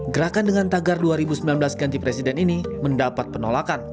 gerakan dengan tagar dua ribu sembilan belas ganti presiden ini mendapat penolakan